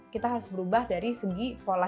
kita harus berubah dari segi pola